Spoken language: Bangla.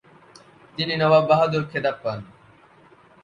তিনি নবাব বাহাদুর খেতাব পান।